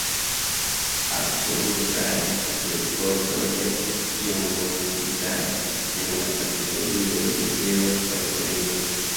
Absolutaj rekordoj estis tiam rompitaj en la kategorioj de viroj kaj virinoj.